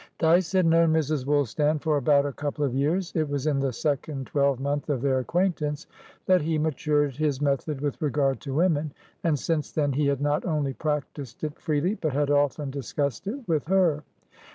Dyce had known Mrs. Woolstan for about a couple of years; it was in the second twelvemonth of their acquaintance that he matured his method with regard to women, and since then he had not only practised it freely, but had often discussed it, with her.